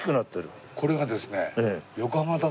これがですね。